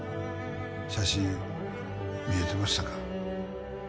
写真見えてましたか。